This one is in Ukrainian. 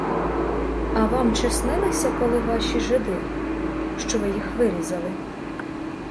А вам чи снилися коли ваші жиди, що ви їх вирізали?